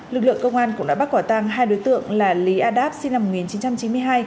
lực lượng công an cũng đã bắt quả tăng hai đối tượng là lý a đáp sinh năm một nghìn chín trăm chín mươi hai